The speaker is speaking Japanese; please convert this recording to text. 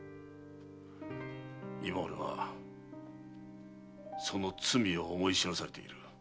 今俺はその罪を思い知らされている。